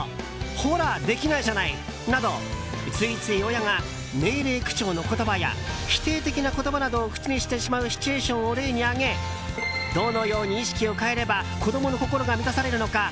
ほら、できないじゃない！などついつい親が命令口調の言葉や否定的な言葉などを口にしてしまうシチュエーションを例に挙げどのように意識を変えれば子どもの心が満たされるのか